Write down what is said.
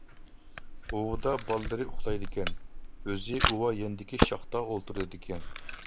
ئۇۋىدا بالىلىرى ئۇخلايدىكەن، ئۆزى ئۇۋا يېنىدىكى شاختا ئولتۇرىدىكەن.